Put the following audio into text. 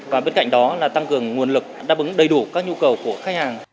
và bên cạnh đó là tăng cường nguồn lực đáp ứng đầy đủ các nhu cầu của khách hàng